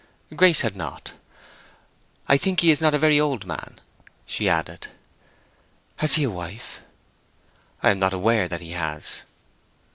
Grace had not. "I think he is not a very old man," she added. "Has he a wife?" "I am not aware that he has."